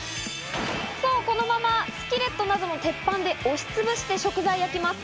そう、このままスキレットなどの鉄板で押しつぶして食材を焼きます。